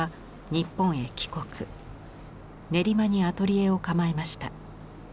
練馬にアトリエを構えました。